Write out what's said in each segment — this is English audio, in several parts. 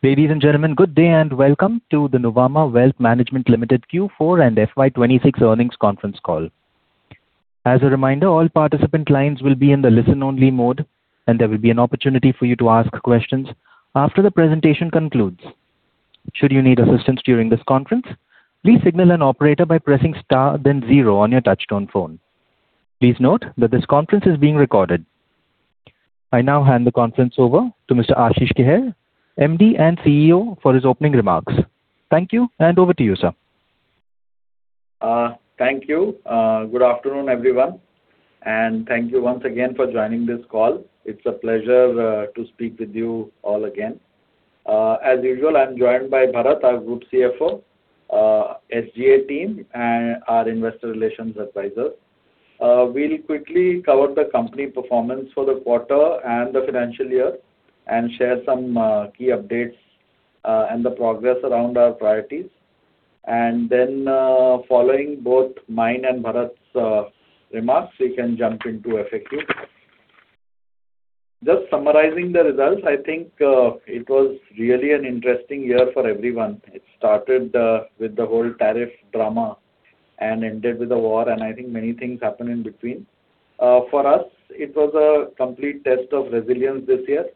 Ladies and gentlemen, good day, welcome to the Nuvama Wealth Management Limited Q4 and FY 2026 earnings conference call. I now hand the conference over to Mr. Ashish Kehair, MD and CEO, for his opening remarks. Thank you, over to you, sir. Thank you. Good afternoon, everyone, and thank you once again for joining this call. It's a pleasure to speak with you all again. As usual, I'm joined by Bharat, our Group CFO, SGA team and our investor relations advisor. We'll quickly cover the company performance for the quarter and the financial year and share some key updates and the progress around our priorities. Then, following both mine and Bharat's remarks, we can jump into FAQ. Just summarizing the results, I think, it was really an interesting year for everyone. It started with the whole tariff drama and ended with a war. I think many things happened in between. For us, it was a complete test of resilience this year.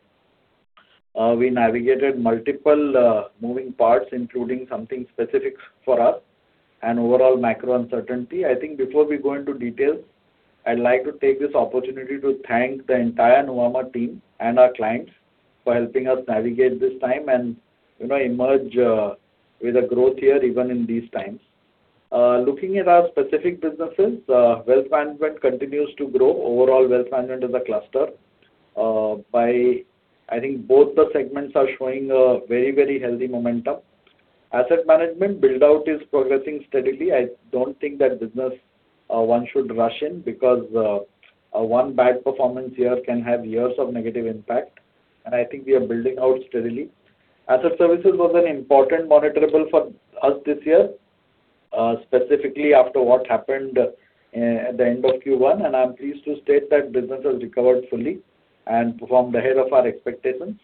We navigated multiple moving parts, including something specific for us and overall macro uncertainty. I think before we go into details, I'd like to take this opportunity to thank the entire Nuvama team and our clients for helping us navigate this time and, you know, emerge with a growth year even in these times. Looking at our specific businesses, Wealth Management continues to grow. Overall Wealth Management is a cluster, by I think both the segments are showing a very, very healthy momentum. Asset Management build-out is progressing steadily. I don't think that business, one should rush in because one bad performance year can have years of negative impact, and I think we are building out steadily. Asset services was an important monitorable for us this year, specifically after what happened at the end of Q1, and I'm pleased to state that business has recovered fully and performed ahead of our expectations.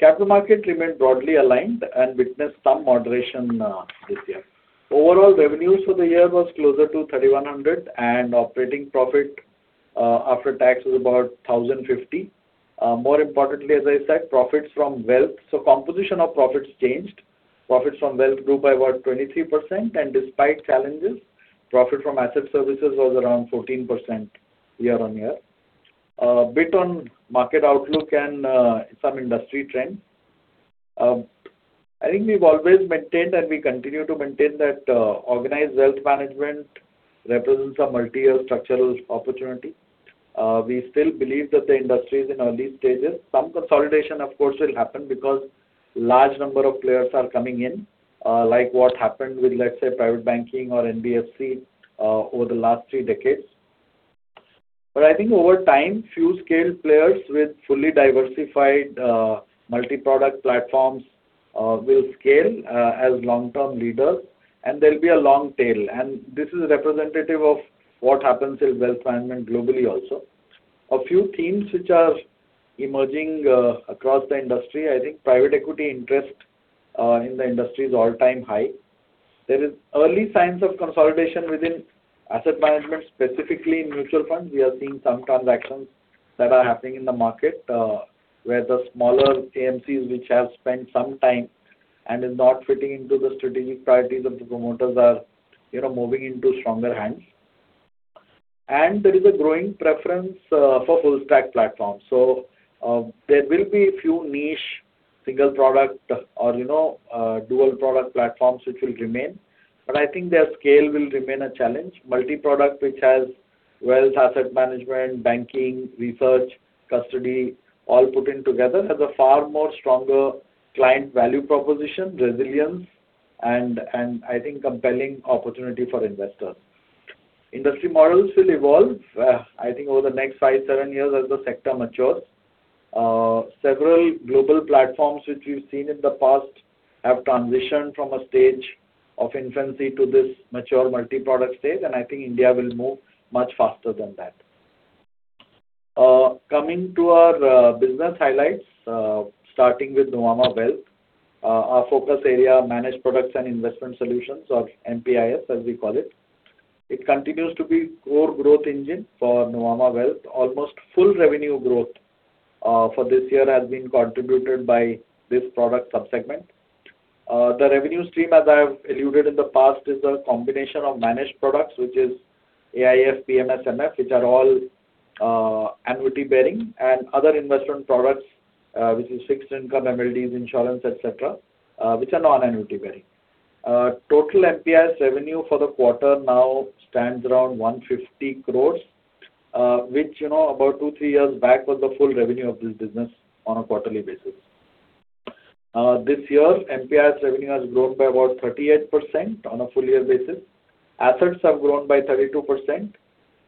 Capital market remained broadly aligned and witnessed some moderation this year. Overall revenues for the year was closer to 3,100, and operating profit after tax was about 1,050. More importantly, as I said, profits from wealth. Composition of profits changed. Profits from wealth grew by about 23%, and despite challenges, profit from asset services was around 14% year-on-year. Bit on market outlook and some industry trends. I think we've always maintained, and we continue to maintain that, organized wealth management represents a multi-year structural opportunity. We still believe that the industry is in early stages. Some consolidation, of course, will happen because large number of players are coming in, like what happened with, let's say, private banking or NBFC, over the last three decades. I think over time, few scale players with fully diversified, multi-product platforms will scale as long-term leaders, and there'll be a long tail. This is representative of what happens in wealth management globally also. A few themes which are emerging across the industry. I think private equity interest in the industry is all-time-high. There is early signs of consolidation within asset management, specifically in mutual funds. We are seeing some transactions that are happening in the market, where the smaller AMCs which have spent some time and is not fitting into the strategic priorities of the promoters are, you know, moving into stronger hands. There is a growing preference for full stack platforms. There will be a few niche single product or, you know, dual product platforms which will remain, but I think their scale will remain a challenge. Multi-product which has wealth asset management, banking, research, custody all put in together has a far more stronger client value proposition, resilience and I think compelling opportunity for investors. Industry models will evolve, I think over the next five, seven years as the sector matures. Several global platforms which we've seen in the past have transitioned from a stage of infancy to this mature multi-product stage, and I think India will move much faster than that. Coming to our business highlights, starting with Nuvama Wealth. Our focus area, Managed Products and Investment Solutions or MPIS as we call it. It continues to be core growth engine for Nuvama Wealth. Almost full revenue growth for this year has been contributed by this product sub-segment. The revenue stream, as I have alluded in the past, is a combination of managed products which is AIF, PMS, MF, which are all annuity bearing and other investment products, which is fixed income, MLDs, insurance, et cetera, which are non-annuity bearing. Total MPIS revenue for the quarter now stands around 150 crores, which, you know, about two, three years back was the full revenue of this business on a quarterly basis. This year, MPIS revenue has grown by about 38% on a full year basis. Assets have grown by 32%.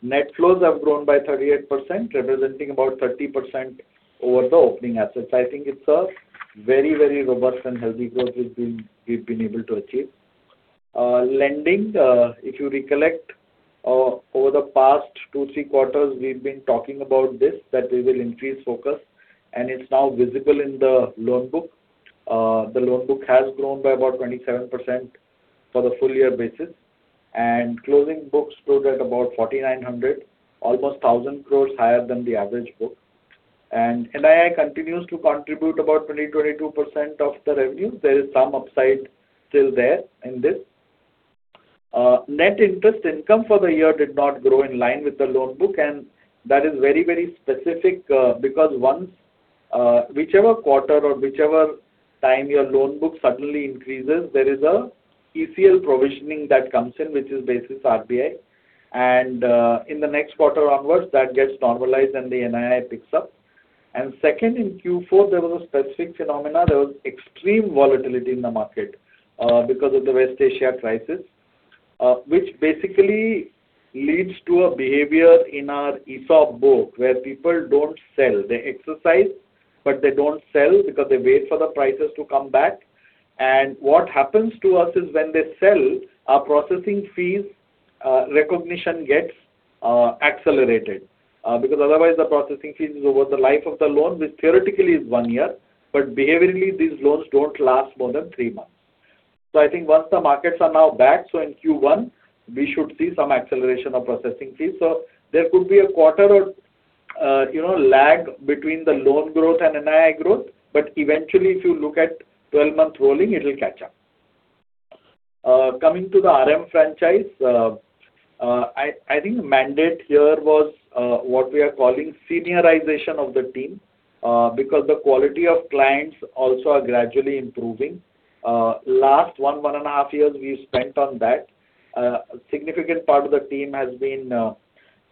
Net flows have grown by 38%, representing about 30% over the opening assets. I think it's a very, very robust and healthy growth we've been able to achieve. Lending, if you recollect, over the past 2, 3 quarters we've been talking about this, that we will increase focus, it's now visible in the loan book. The loan book has grown by about 27% for the full-year basis, closing books closed at about 4,900 crores, almost 1,000 crores higher than the average book. NII continues to contribute about 20%, 22% of the revenue. There is some upside still there in this. Net interest income for the year did not grow in line with the loan book, that is very, very specific, because once whichever quarter or whichever time your loan book suddenly increases, there is a ECL provisioning that comes in, which is basis RBI. In the next quarter onwards, that gets normalized and the NII picks up. Second, in Q4 there was a specific phenomena. There was extreme volatility in the market because of the West Asia crisis, which basically leads to a behavior in our ESOP book where people don't sell. They exercise, but they don't sell because they wait for the prices to come back. What happens to us is when they sell, our processing fees recognition gets accelerated. Because otherwise the processing fees is over the life of the loan, which theoretically is one year, but behaviorally these loans don't last more than three months. I think once the markets are now back, so in Q1 we should see some acceleration of processing fees. There could be a quarter or, you know, lag between the loan growth and NII growth, but eventually if you look at 12-month rolling, it'll catch up. Coming to the RM franchise, I think mandate here was what we are calling seniorization of the team, because the quality of clients also are gradually improving. Last 1.5 years we've spent on that. A significant part of the team has been,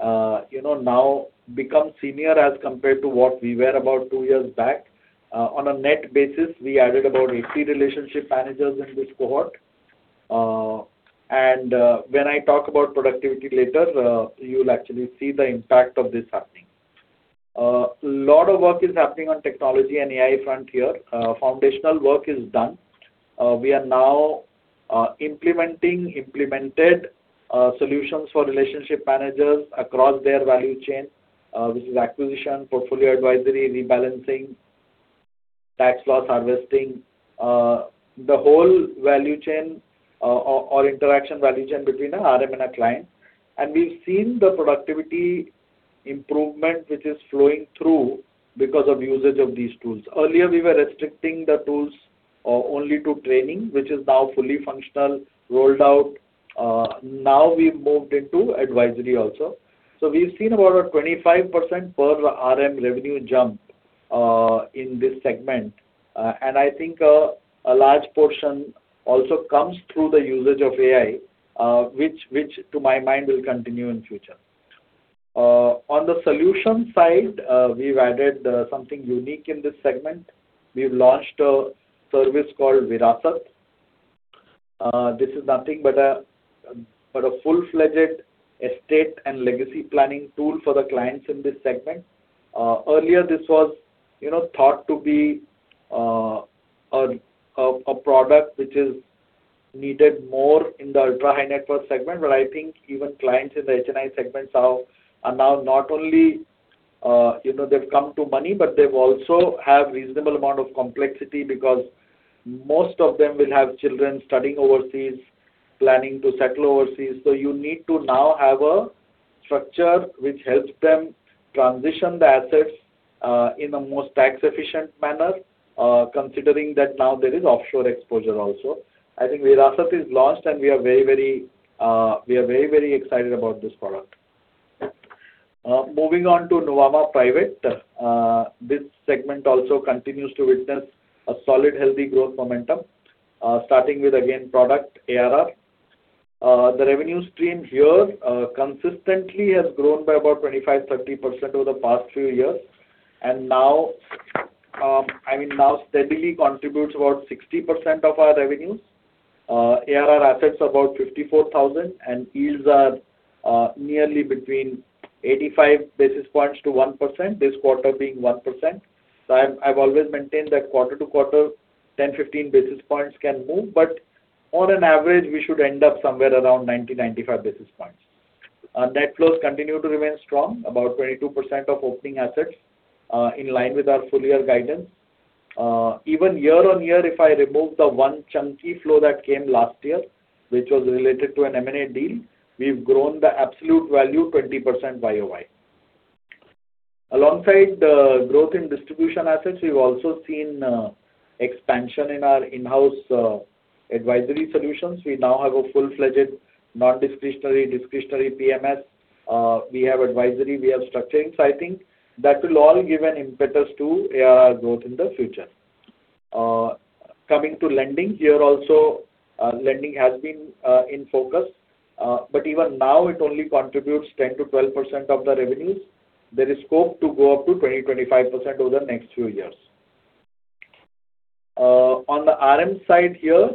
you know, now become senior as compared to what we were about two years back. On a net basis, we added about 80 relationship managers in this cohort. And, when I talk about productivity later, you'll actually see the impact of this happening. Lot of work is happening on technology and AI front here. Foundational work is done. We are now implemented solutions for relationship managers across their value chain, which is acquisition, portfolio advisory, rebalancing, tax loss harvesting, the whole value chain or interaction value chain between a RM and a client. We've seen the productivity improvement which is flowing through because of usage of these tools. Earlier we were restricting the tools only to training, which is now fully functional, rolled out. Now we've moved into advisory also. We've seen about a 25% per RM revenue jump in this segment. I think a large portion also comes through the usage of AI, which to my mind will continue in future. On the solution side, we've added something unique in this segment. We've launched a service called Virasat. This is nothing but a full-fledged estate and legacy planning tool for the clients in this segment. Earlier this was, you know, thought to be a product which is needed more in the ultra-high-net-worth segment. I think even clients in the HNI segment now are not only, you know, they've come to money, but they've also have reasonable amount of complexity because most of them will have children studying overseas, planning to settle overseas. You need to now have a structure which helps them transition the assets in a most tax efficient manner, considering that now there is offshore exposure also. I think Virasat is launched and we are very, very excited about this product. Moving on to Nuvama Private. This segment also continues to witness a solid, healthy growth momentum. Starting with again product ARR. The revenue stream here, consistently has grown by about 25%-30% over the past few years and now, I mean now steadily contributes about 60% of our revenues. ARR assets about 54,000 and yields are nearly between 85 basis points to 1%, this quarter being 1%. I've always maintained that quarter to quarter 10-15 basis points can move, but on an average we should end up somewhere around 90-95 basis points. Net flows continue to remain strong, about 22% of opening assets, in line with our full year guidance. Even year on year if I remove the one chunky flow that came last year which was related to an M&A deal, we've grown the absolute value 20% YoY. Alongside the growth in distribution assets, we've also seen expansion in our in-house advisory solutions. We now have a full-fledged non-discretionary, discretionary PMS. We have advisory, we have structuring. I think that will all give an impetus to ARR growth in the future. Coming to lending, here also, lending has been in focus. Even now it only contributes 10%-12% of the revenues. There is scope to go up to 20%-25% over the next few years. On the RM side here,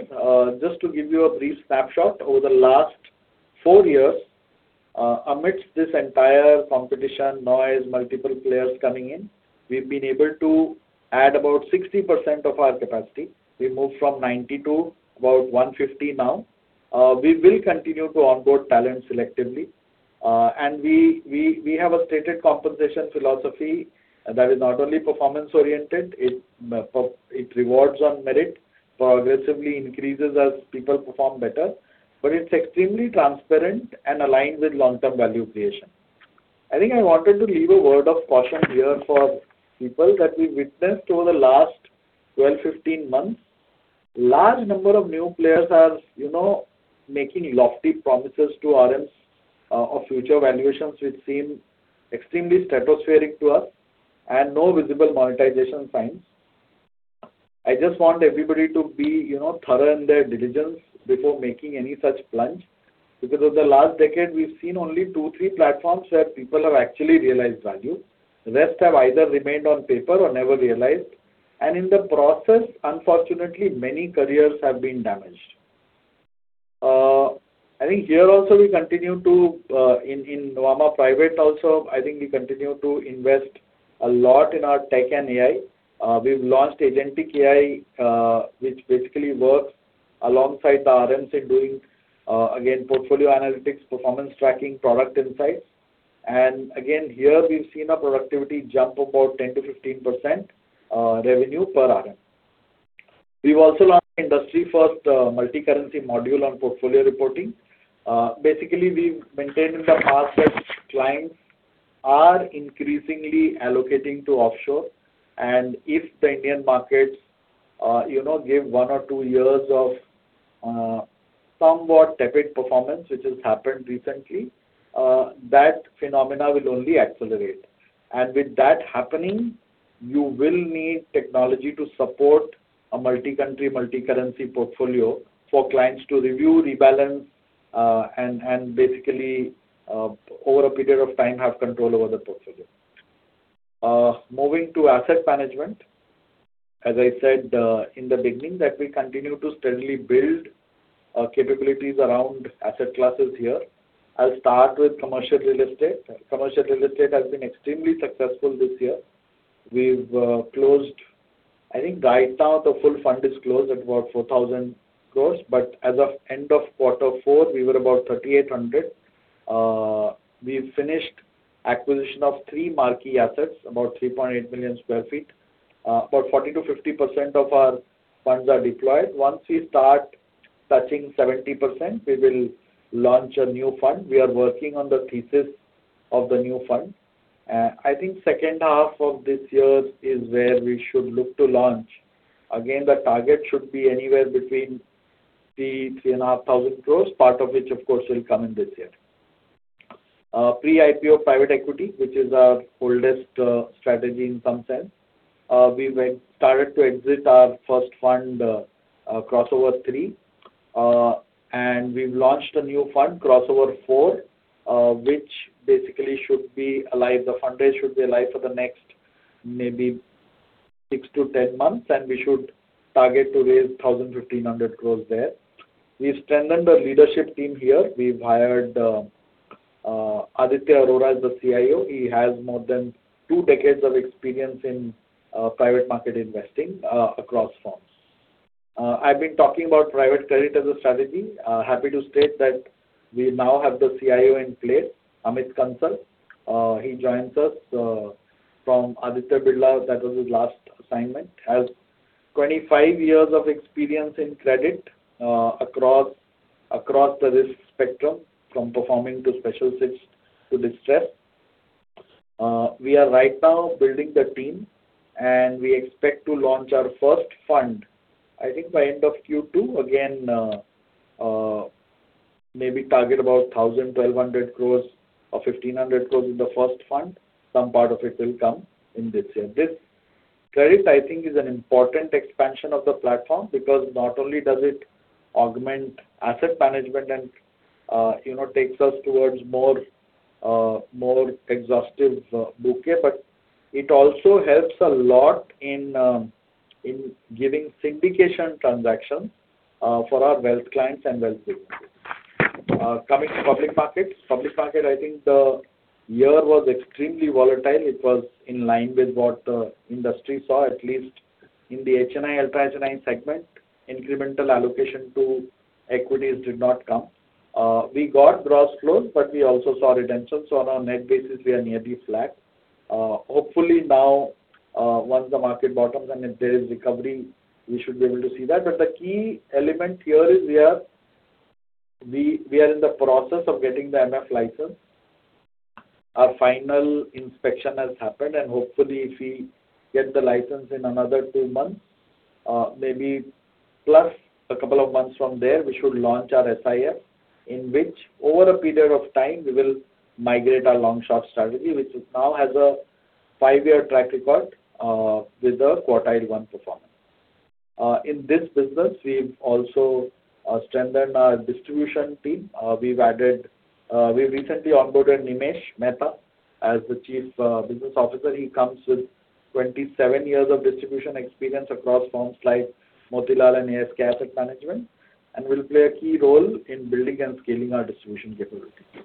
just to give you a brief snapshot. Over the last four years, amidst this entire competition noise, multiple players coming in, we've been able to add about 60% of our capacity. We moved from 90 to about 150 now. We will continue to onboard talent selectively. We have a stated compensation philosophy that is not only performance-oriented, it rewards on merit, progressively increases as people perform better, but it's extremely transparent and aligns with long-term value creation. I think I wanted to leave a word of caution here for people that we witnessed over the last 12, 15 months. Large number of new players are, you know, making lofty promises to RMs of future valuations which seem extremely stratospheric to us and no visible monetization signs. I just want everybody to be, you know, thorough in their diligence before making any such plunge. Over the last decade, we've seen only 2, 3 platforms where people have actually realized value. The rest have either remained on paper or never realized. In the process, unfortunately, many careers have been damaged. I think here also we continue to, in Nuvama Private also, I think we continue to invest a lot in our tech and AI. We've launched Agentic AI, which basically works alongside the RMs in doing, again, portfolio analytics, performance tracking, product insights. Again, here we've seen our productivity jump about 10%-15%, revenue per RM. We've also launched industry-first, multi-currency module on portfolio reporting. Basically, we've maintained in the past that clients are increasingly allocating to offshore. If the Indian markets, you know, give oneor two years of somewhat tepid performance, which has happened recently, that phenomena will only accelerate. With that happening, you will need technology to support a multi-country, multi-currency portfolio for clients to review, rebalance, and basically, over a period of time, have control over the portfolio. Moving to asset management. As I said in the beginning, we continue to steadily build capabilities around asset classes here. I will start with commercial real estate. Commercial real estate has been extremely successful this year. We have closed. I think right now the full fund is closed at about 4,000 crore, but as of end of Q4, we were about 3,800. We finished acquisition of 3 marquee assets, about 3.8 million sq ft. About 40%-50% of our funds are deployed. Once we start touching 70%, we will launch a new fund. We are working on the thesis of the new fund. I think second half of this year is where we should look to launch. Again, the target should be anywhere between 3,000-3,500 crores, part of which of course will come in this year. Pre-IPO private equity, which is our oldest strategy in some sense. We started to exit our first fund, Crossover Three. We've launched a new fund, Crossover Four, which basically should be alive. The fundraise should be alive for the next maybe 6-10 months, and we should target to raise 1,000-1,500 crores there. We've strengthened the leadership team here. We've hired Aditya Arora as the CIO. He has more than two decades of experience in private market investing across firms. I've been talking about private credit as a strategy. Happy to state that we now have the CIO in place, Amit Kansal. He joins us from Aditya Birla. That was his last assignment. Has 25 years of experience in credit across the risk spectrum, from performing to special sits to distress. We are right now building the team, and we expect to launch our first fund, I think by end of Q2. Again, maybe target about 1,000 crore, 1,200 crore or 1,500 crore in the first fund. Some part of it will come in this year. This credit, I think, is an important expansion of the platform because not only does it augment asset management and takes us towards more, more exhaustive, bouquet, but it also helps a lot in giving syndication transactions for our wealth clients and wealth businesses. Coming to public markets. Public market, I think the year was extremely volatile. It was in line with what the industry saw, at least in the HNI, ultra HNI segment. Incremental allocation to equities did not come. We got gross flows, but we also saw redemptions. On a net basis, we are nearly flat. Hopefully now, once the market bottoms and if there is recovery, we should be able to see that. The key element here is we are in the process of getting the MF license. Our final inspection has happened, and hopefully, if we get the license in another two months, maybe plus two months from there, we should launch our SIF, in which over a period of time, we will migrate our Long-Short Strategy, which is now has a five year track record, with a quartile one performance. In this business, we've also strengthened our distribution team. We recently onboarded Nimesh Mehta. As the Chief Business Officer, he comes with 27 years of distribution experience across Foresight Group, Motilal and ASK Asset & Wealth Management, and will play a key role in building and scaling our distribution capabilities.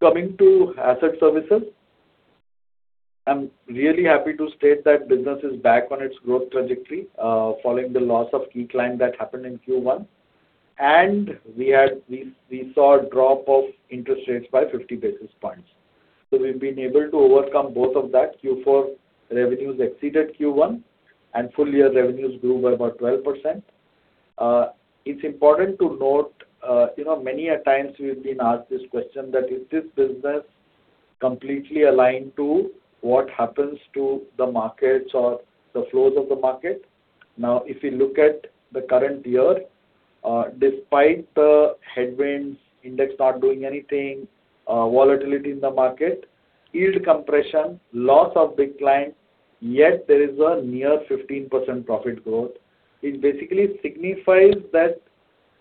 Coming to asset services. I'm really happy to state that business is back on its growth trajectory, following the loss of key client that happened in Q1. We saw a drop of interest rates by 50 basis points. We've been able to overcome both of that. Q4 revenues exceeded Q1, and full year revenues grew by about 12%. It's important to note, you know, many a times we've been asked this question that is this business completely aligned to what happens to the markets or the flows of the market? If you look at the current year, despite the headwinds, index not doing anything, volatility in the market, yield compression, loss of big clients, yet there is a near 15% profit growth. It basically signifies that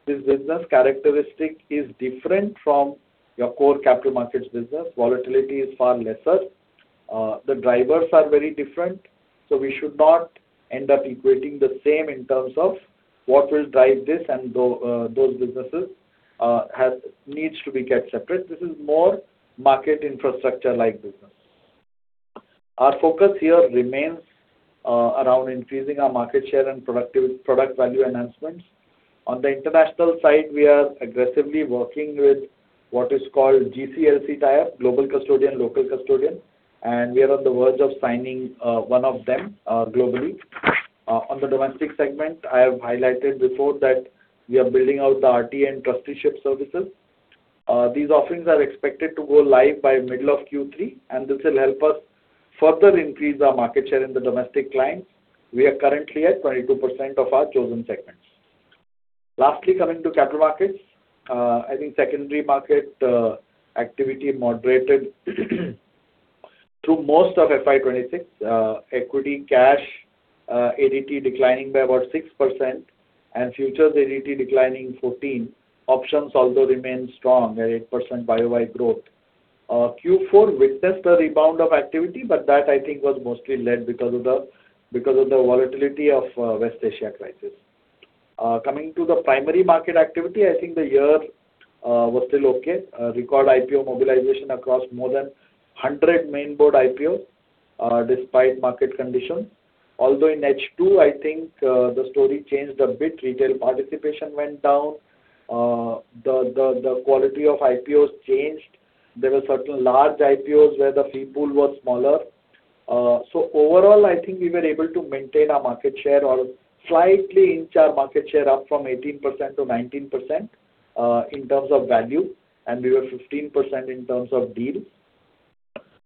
this business characteristic is different from your core capital markets business. Volatility is far lesser. The drivers are very different. We should not end up equating the same in terms of what will drive this and those businesses needs to be kept separate. This is more market infrastructure like business. Our focus here remains around increasing our market share and product value enhancements. On the international side, we are aggressively working with what is called GCLC tie-up, Global Custodian, Local Custodian, and we are on the verge of signing one of them globally. On the domestic segment, I have highlighted before that we are building out the [RTA] trusteeship services. These offerings are expected to go live by middle of Q3, and this will help us further increase our market share in the domestic clients. We are currently at 22% of our chosen segments. Lastly, coming to capital markets. I think secondary market activity moderated through most of FY 2026. Equity cash ADT declining by about 6% and futures ADT declining 14%. Options also remain strong at 8% YoY growth. Q4 witnessed a rebound of activity, that I think was mostly led because of the volatility of West Asia crisis. Coming to the primary market activity, I think the year was still okay. Record IPO mobilization across more than 100 main board IPOs, despite market conditions. In H2, I think the story changed a bit. Retail participation went down. The quality of IPOs changed. There were certain large IPOs where the fee pool was smaller. Overall, I think we were able to maintain our market share or slightly inch our market share up from 18% to 19%, in terms of value, and we were 15% in terms of deals.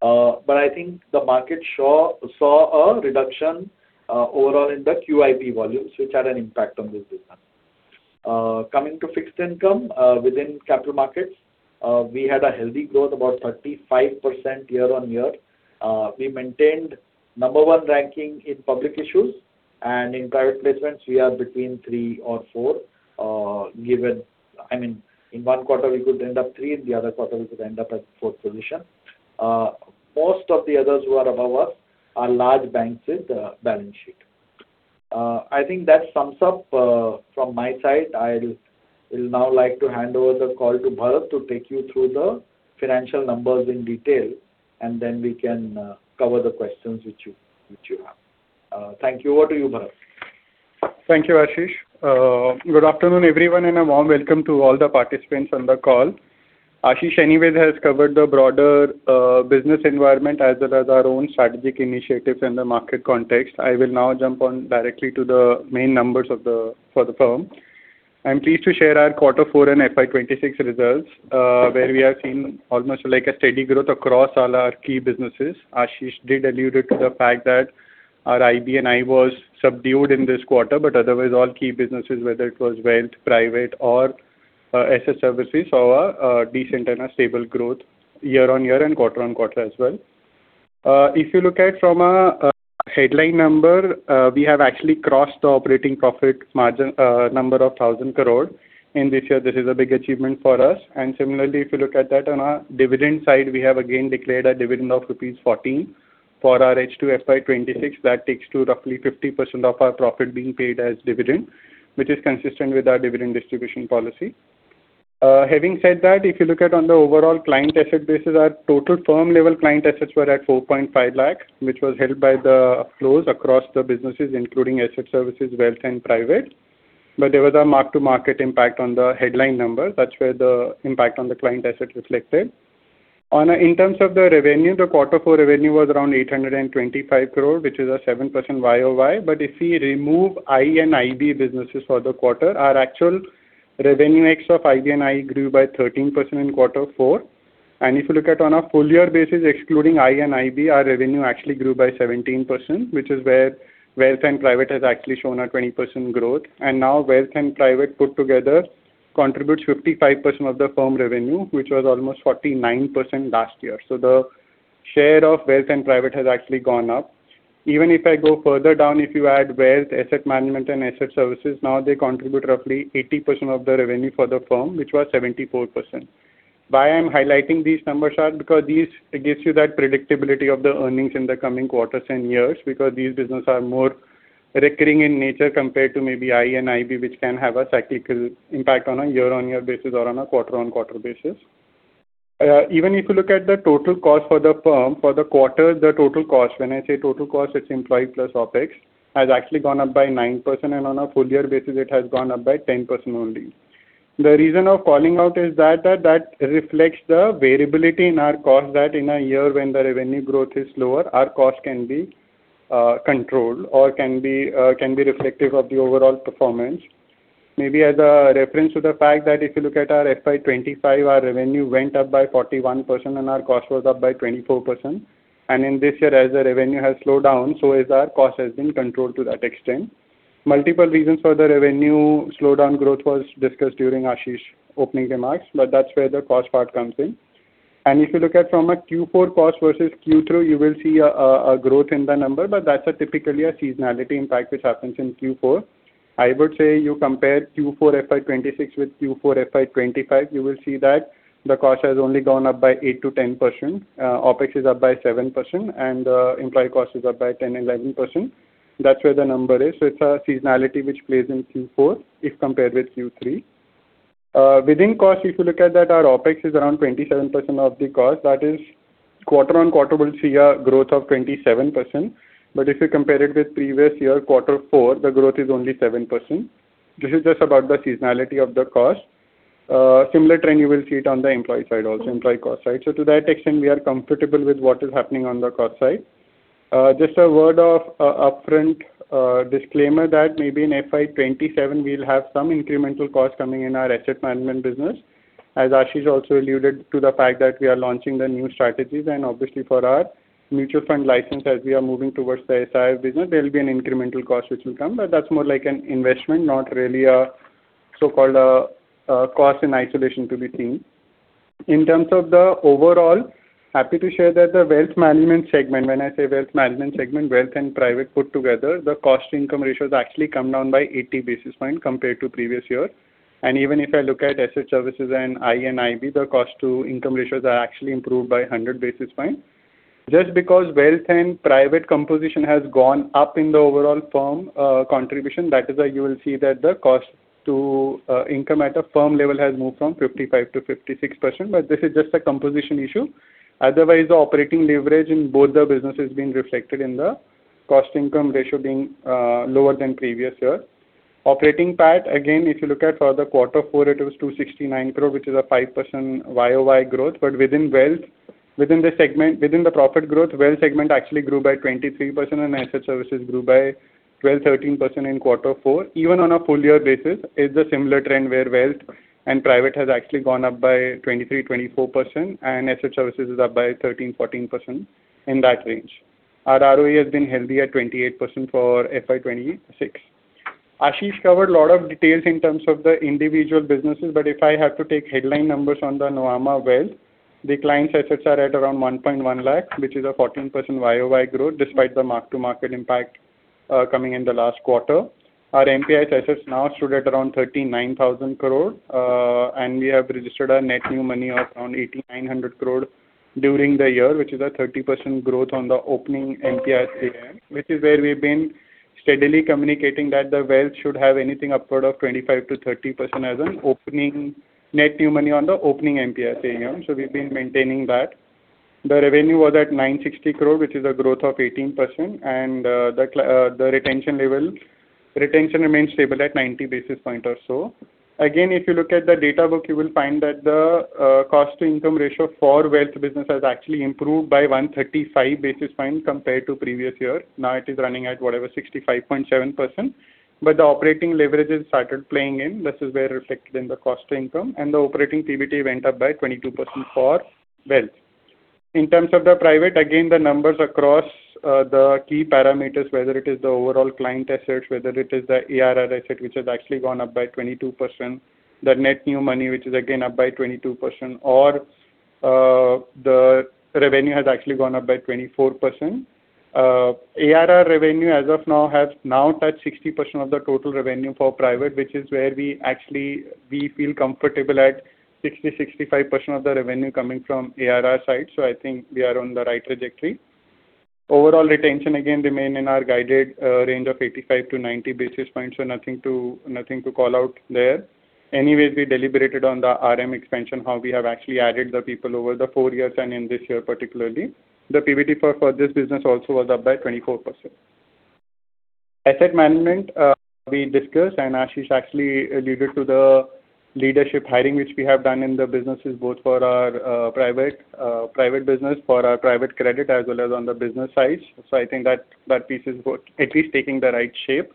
I think the market saw a reduction, overall in the QIP volumes, which had an impact on this business. Coming to fixed income, within capital markets. We had a healthy growth, about 35% year on year. We maintained number one ranking in public issues, and in private placements, we are between 3 or 4. I mean, in 1 quarter, we could end up 3, in the other quarter, we could end up at 4th position. Most of the others who are above us are large banks with a balance sheet. I think that sums up from my side. I will now like to hand over the call to Bharat to take you through the financial numbers in detail. Then we can cover the questions which you have. Thank you. Over to you, Bharat. Thank you, Ashish. Good afternoon, everyone, and a warm welcome to all the participants on the call. Ashish anyway has covered the broader business environment as well as our own strategic initiatives in the market context. I will now jump on directly to the main numbers for the firm. I'm pleased to share our Q4 and FY 2026 results, where we have seen almost like a steady growth across all our key businesses. Ashish did allude to the fact that our IB & IE was subdued in this quarter, otherwise, all key businesses, whether it was wealth, private, or asset services, saw a decent and a stable growth year-over-year and quarter-over-quarter as well. If you look at from a headline number, we have actually crossed the operating profit margin number of 1,000 crore. In this year, this is a big achievement for us. Similarly, if you look at that on our dividend side, we have again declared a dividend of rupees 14 for our H2 FY 2026. That takes to roughly 50% of our profit being paid as dividend, which is consistent with our dividend distribution policy. Having said that, if you look at on the overall client asset basis, our total firm level client assets were at 4.5 lakh, which was helped by the flows across the businesses, including asset services, Wealth, and Private. There was a mark-to-market impact on the headline number. That's where the impact on the client asset reflected. In terms of the revenue, the quarter four revenue was around 825 crore, which is a 7% Y0Y. If we remove IE & IB businesses for the quarter, our actual revenue mix of IE & IB grew by 13% in quarter four. If you look at on a full year basis, excluding IE & IB, our revenue actually grew by 17%, which is where Wealth and Private has actually shown a 20% growth. Now Wealth and Private put together contributes 55% of the firm revenue, which was almost 49% last year. The share of Wealth and Private has actually gone up. If I go further down, if you add Wealth, Asset Management and Asset Services, now they contribute roughly 80% of the revenue for the firm, which was 74%. Why I'm highlighting these numbers are because it gives you that predictability of the earnings in the coming quarters and years because these businesses are more recurring in nature compared to maybe IE & IB, which can have a cyclical impact on a year-on-year basis or on a quarter-on-quarter basis. Even if you look at the total cost for the firm, for the quarter, the total cost, when I say total cost, it's employee plus OpEx, has actually gone up by 9%, and on a full year basis it has gone up by 10% only. The reason of calling out is that reflects the variability in our cost that in a year when the revenue growth is lower, our cost can be controlled or can be reflective of the overall performance. Maybe as a reference to the fact that if you look at our FY 2025, our revenue went up by 41% and our cost was up by 24%. In this year as the revenue has slowed down, so has our cost has been controlled to that extent. Multiple reasons for the revenue slowdown growth was discussed during Ashish opening remarks, that's where the cost part comes in. If you look at from a Q4 cost versus Q3, you will see a growth in the number, that's typically a seasonality impact which happens in Q4. I would say you compare Q4 FY 2026 with Q4 FY 2025, you will see that the cost has only gone up by 8%-10%. OpEx is up by 7% and employee cost is up by 10%-11%. That's where the number is. It's a seasonality which plays in Q4 if compared with Q3. Within cost, if you look at that, our OpEx is around 27% of the cost. That is quarter-on-quarter will see a growth of 27%. If you compare it with previous year quarter 4, the growth is only 7%. This is just about the seasonality of the cost. Similar trend you will see it on the employee side also, employee cost side. To that extent we are comfortable with what is happening on the cost side. Just a word of upfront disclaimer that maybe in FY 2027 we'll have some incremental cost coming in our asset management business. As Ashish also alluded to the fact that we are launching the new strategies and obviously for our mutual fund license as we are moving towards the [ASI] business, there will be an incremental cost which will come, but that's more like an investment, not really a so-called cost in isolation to be seen. In terms of the overall, happy to share that the Wealth Management segment, when I say Wealth Management segment, Wealth and Private put together, the cost income ratios actually come down by 80 basis points compared to previous year. Even if I look at Asset Services and IE & IB, the cost to income ratios are actually improved by 100 basis points. Just because wealth and private composition has gone up in the overall firm, contribution, that is why you will see that the cost to income at a firm level has moved from 55% to 56%, but this is just a composition issue. Otherwise, the operating leverage in both the business is being reflected in the cost income ratio being lower than previous year. Operating PAT, again, if you look at for the quarter four it was 269 crore, which is a 5% YoY growth. Within wealth, within the profit growth, wealth segment actually grew by 23% and asset services grew by 12%-13% in quarter four. Even on a full year basis is a similar trend where Wealth and Private has actually gone up by 23%, 24% and asset services is up by 13%, 14% in that range. Our ROE has been healthy at 28% for FY 2026. Ashish covered a lot of details in terms of the individual businesses. If I have to take headline numbers on the Nuvama Wealth, the clients assets are at around 1.1 lakh, which is a 14% YoY growth despite the mark-to-market impact coming in the last quarter. Our MPIS assets now stood at around 39,000 crore, and we have registered a net new money of around 8,900 crore during the year, which is a 30% growth on the opening MPIS AUM, which is where we've been steadily communicating that the wealth should have anything upward of 25%-30% as an opening net new money on the opening MPIS AUM. We've been maintaining that. The revenue was at 960 crore, which is a growth of 18% and the retention level, retention remains stable at 90 basis points or so. If you look at the data book, you will find that the cost to income ratio for wealth business has actually improved by 135 basis points compared to previous year. It is running at whatever, 65.7%. The operating leverage has started playing in. This is where reflected in the cost to income and the operating PBT went up by 22% for wealth. In terms of the private, again, the numbers across the key parameters, whether it is the overall client assets, whether it is the ARR asset which has actually gone up by 22%, the net new money which is again up by 22% or the revenue has actually gone up by 24%. ARR revenue as of now has now touched 60% of the total revenue for private, which is where we feel comfortable at 60%-65% of the revenue coming from ARR side. I think we are on the right trajectory. Overall retention again remain in our guided range of 85 to 90 basis points, nothing to call out there. Anyways, we deliberated on the RM expansion, how we have actually added the people over the four years and in this year particularly. The PBT for this business also was up by 24%. Asset Management we discussed and Ashish actually alluded to the leadership hiring which we have done in the businesses both for our private business, for our Private Credit as well as on the business side. I think that piece is both at least taking the right shape.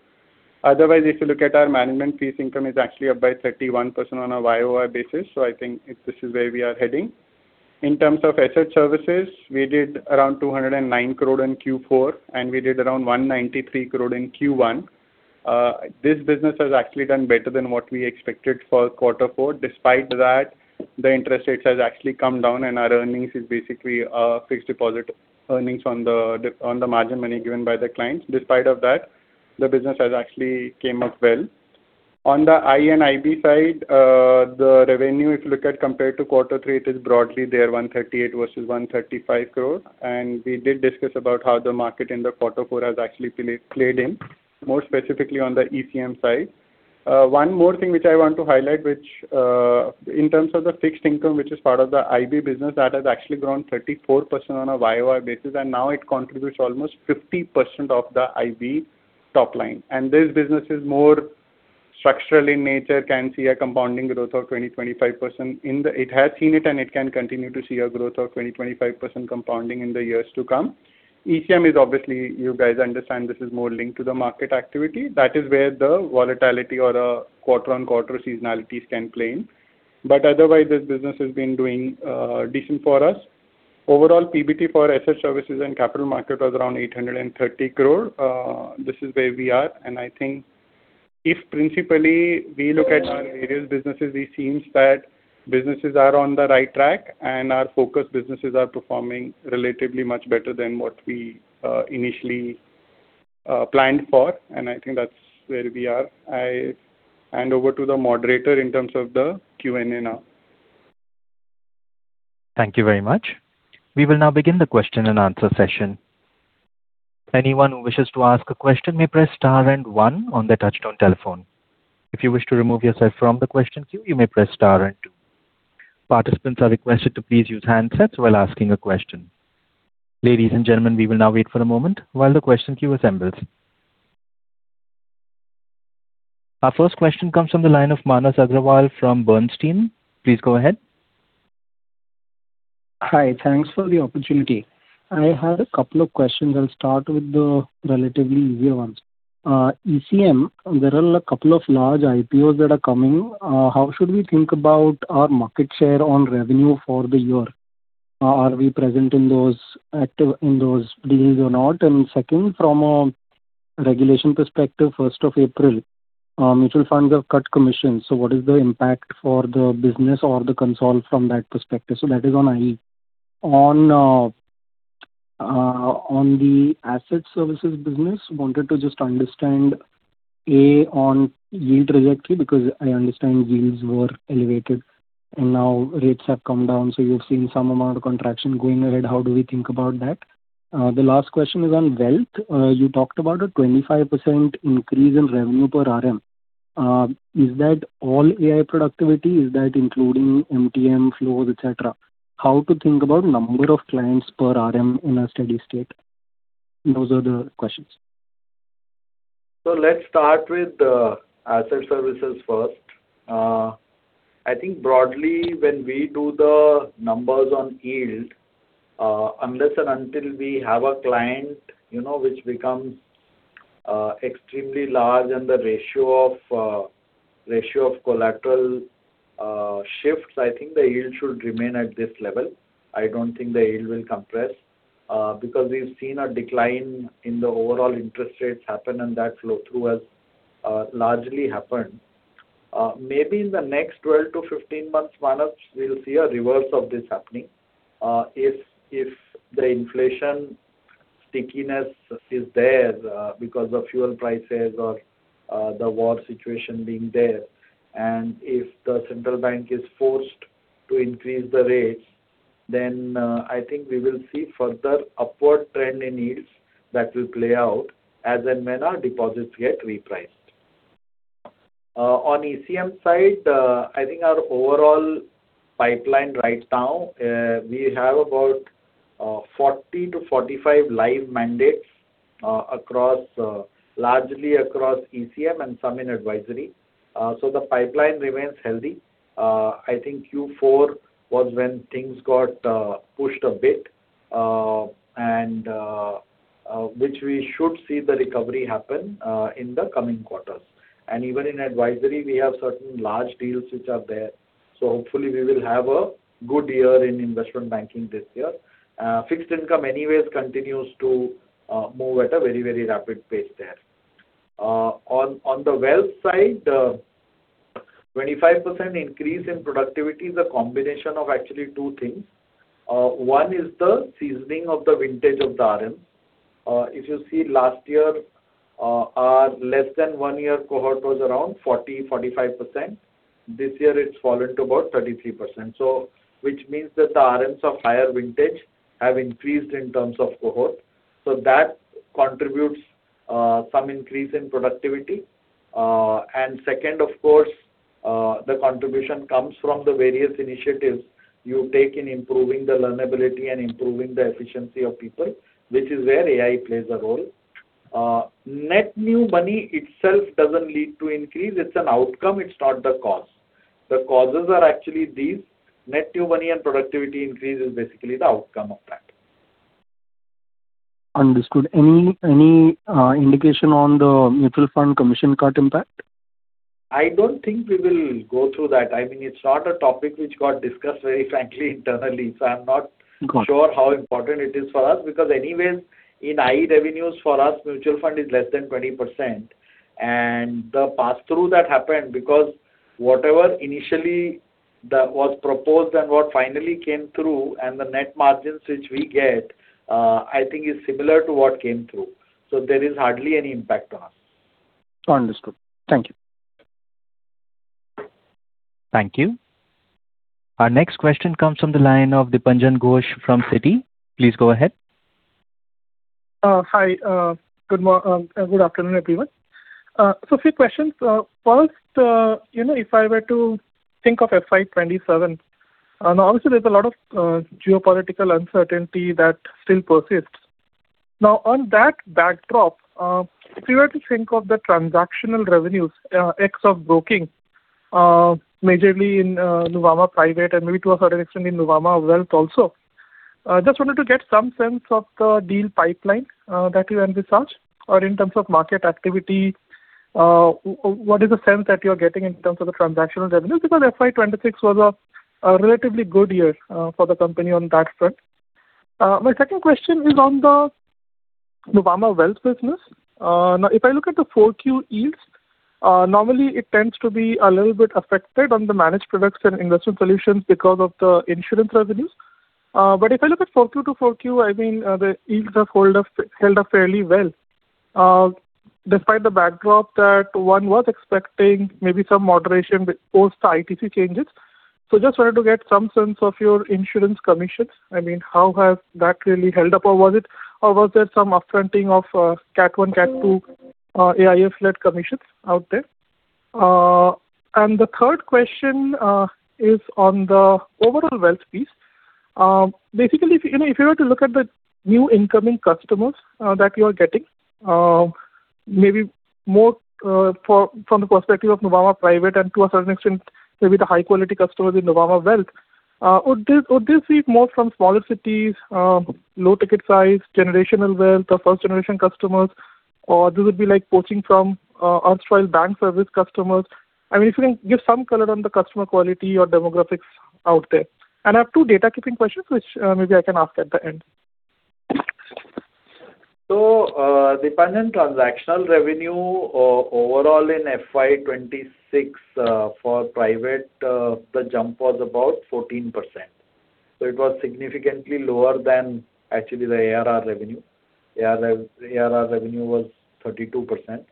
Otherwise, if you look at our management fees income is actually up by 31% on a YoY basis. I think this is where we are heading. In terms of asset services, we did around 209 crore in Q4, and we did around 193 crore in Q1. This business has actually done better than what we expected for quarter 4. Despite that, the interest rates has actually come down and our earnings is basically fixed deposit earnings on the margin money given by the clients. Despite of that, the business has actually came up well. On the IE & IB side, the revenue, if you look at compared to quarter 3, it is broadly there, 138 crore versus 135 crore. We did discuss about how the market in the quarter 4 has actually played in, more specifically on the ECM side. One more thing which I want to highlight, which, in terms of the fixed income, which is part of the IB business, that has actually grown 34% on a YoY basis, and now it contributes almost 50% of the IB top line. This business is more structural in nature, can see a compounding growth of 20%-25%. It has seen it and it can continue to see a growth of 20%-25% compounding in the years to come. ECM is obviously, you guys understand this is more linked to the market activity. That is where the volatility or quarter-on-quarter seasonalities can play in. Otherwise, this business has been doing decent for us. Overall, PBT for asset services and capital market was around 830 crore. This is where we are, and I think if principally we look at our various businesses, it seems that businesses are on the right track and our focus businesses are performing relatively much better than what we initially planned for. I think that's where we are. I hand over to the moderator in terms of the Q&A now. Thank you very much. We will now begin the question and answer session. Our first question comes from the line of Manas Agrawal from Bernstein. Please go ahead. Hi. Thanks for the opportunity. I have two questions. I'll start with the relatively easier ones. ECM, there are 2 large IPOs that are coming. How should we think about our market share on revenue for the year? Are we present in those deals or not? Second, from a regulation perspective, first of April, mutual funds have cut commissions, so what is the impact for the business or the consol from that perspective? That is on IE. On the asset services business, wanted to just understand, A, on yield trajectory, because I understand yields were elevated and now rates have come down, so you've seen some amount of contraction. Going ahead, how do we think about that? The last question is on wealth. You talked about a 25% increase in revenue per RM. Is that all AI productivity? Is that including MTM flows, et cetera? How to think about number of clients per RM in a steady state? Those are the questions. Let's start with the asset services first. I think broadly when we do the numbers on yield, unless and until we have a client, you know, which becomes extremely large and the ratio of collateral shifts, I think the yield should remain at this level. I don't think the yield will compress because we've seen a decline in the overall interest rates happen and that flow-through has largely happened. Maybe in the next 12 to 15 months, Manas, we'll see a reverse of this happening. If the inflation stickiness is there, because of fuel prices or the war situation being there, and if the central bank is forced to increase the rates, then I think we will see further upward trend in yields that will play out as and when our deposits get repriced. On ECM side, I think our overall pipeline right now, we have about 40-45 live mandates, largely across ECM and some in advisory. The pipeline remains healthy. I think Q4 was when things got pushed a bit, which we should see the recovery happen in the coming quarters. Even in advisory we have certain large deals which are there, hopefully we will have a good year in Investment Banking this year. Fixed income anyways continues to move at a very rapid pace there. On the wealth side, 25% increase in productivity is a combination of actually 2 things. One is the seasoning of the vintage of the RM. If you see last year, our less than one year cohort was around 40%-45%. This year it's fallen to about 33%, which means that the RMs of higher vintage have increased in terms of cohort. That contributes some increase in productivity. And second, of course, the contribution comes from the various initiatives you take in improving the learnability and improving the efficiency of people, which is where AI plays a role. Net new money itself doesn't lead to increase. It's an outcome, it's not the cause. The causes are actually these. Net new money and productivity increase is basically the outcome of that. Understood. Any indication on the mutual fund commission cut impact? I don't think we will go through that. I mean, it's not a topic which got discussed very frankly internally. I'm not sure how important it is for us, because anyways, in IE revenues for us, mutual fund is less than 20%. Got it. The passthrough that happened because whatever initially was proposed and what finally came through and the net margins which we get, I think is similar to what came through. There is hardly any impact on us. Understood. Thank you. Thank you. Our next question comes from the line of Dipanjan Ghosh from Citi. Please go ahead. Hi. Good afternoon, everyone. A few questions. First, you know, if I were to think of FY 2027, and obviously there's a lot of geopolitical uncertainty that still persists. On that backdrop, if we were to think of the transactional revenues, ex of broking, majorly in Nuvama Private and maybe to a certain extent in Nuvama Wealth also, just wanted to get some sense of the deal pipeline that you envisage or in terms of market activity, what is the sense that you're getting in terms of the transactional revenues? FY 2026 was a relatively good year for the company on that front. My second question is on the Nuvama Wealth business. Now if I look at the 4Q yields, normally it tends to be a little bit affected on the Managed Products and Investment Solutions because of the insurance revenues. If I look at 4Q to 4Q, I mean, the yields have held up fairly well, despite the backdrop that one was expecting maybe some moderation with post ITC changes. Just wanted to get some sense of your insurance commissions. I mean, how has that really held up, or was it or was there some upfronting of Cat 1, Cat 2 AIF-led commissions out there? The third question is on the overall wealth piece. Basically, if, you know, if you were to look at the new incoming customers that you are getting, maybe more from the perspective of Nuvama Private and to a certain extent maybe the high-quality customers in Nuvama Wealth, would this be more from smaller cities, low ticket size, generational wealth or first-generation customers? This would be like poaching from erstwhile bank service customers? I mean, if you can give some color on the customer quality or demographics out there. I have two data keeping questions which maybe I can ask at the end. Dipanjan, transactional revenue overall in FY 2026 for private, the jump was about 14%. It was significantly lower than actually the ARR revenue. ARR revenue was 32%.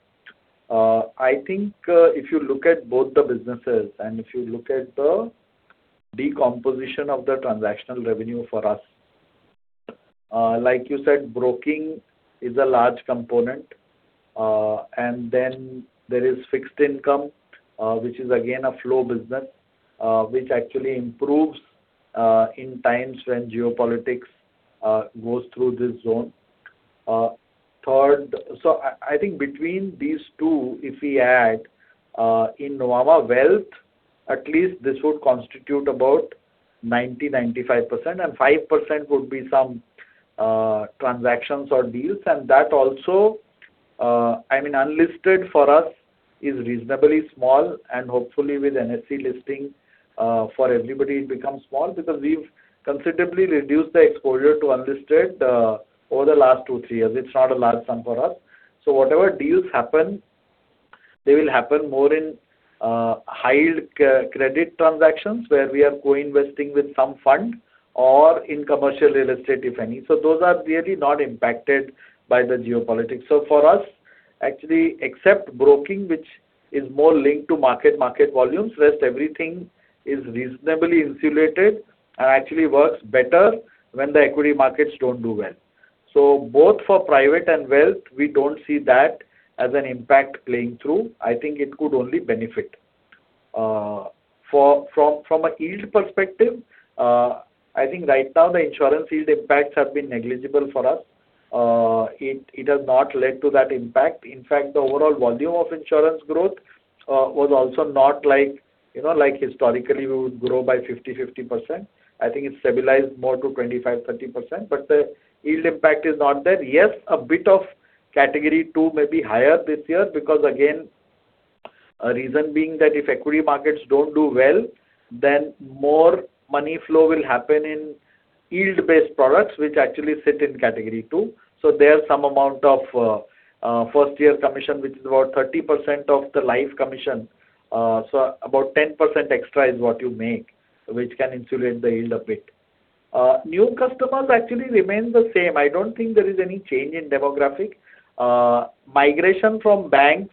I think, if you look at both the businesses and if you look at the decomposition of the transactional revenue for us, like you said, broking is a large component. There is fixed income, which is again a flow business, which actually improves in times when geopolitics goes through this zone. Third, I think between these two, if we add, in Nuvama Wealth, at least this would constitute about 90%-95% and 5% would be some transactions or deals. That also, unlisted for us is reasonably small and hopefully with NSE listing, for everybody it becomes small because we've considerably reduced the exposure to unlisted over the last two, three years. It's not a large sum for us. Whatever deals happen, they will happen more in high yield credit transactions where we are co-investing with some fund or in commercial real estate, if any. Those are really not impacted by the geopolitics. For us, actually, except broking which is more linked to market volumes, rest everything is reasonably insulated and actually works better when the equity markets don't do well. Both for private and wealth, we don't see that as an impact playing through. I think it could only benefit. From a yield perspective, I think right now the insurance yield impacts have been negligible for us. It has not led to that impact. In fact, the overall volume of insurance growth was also not like, you know, like historically we would grow by 50%. I think it stabilized more to 25%-30%. The yield impact is not there. Yes, a bit of Category II may be higher this year because again, a reason being that if equity markets don't do well, then more money flow will happen in yield-based products which actually sit in Category II. There's some amount of first-year commission which is about 30% of the life commission. About 10% extra is what you make, which can insulate the yield a bit. New customers actually remain the same. I don't think there is any change in demographic. Migration from banks